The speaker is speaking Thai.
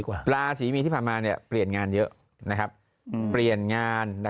กว่าราศีมีนที่ผ่านมาเนี่ยเปลี่ยนงานเยอะนะครับเปลี่ยนงานนะ